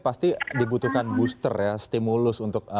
pasti dibutuhkan booster ya stimulus untuk